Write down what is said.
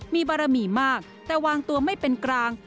มีบารมีมากแต่วางตัวไม่เป็นกลาง